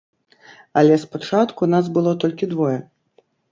Але спачатку нас было толькі двое.